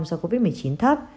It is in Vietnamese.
do covid một mươi chín thấp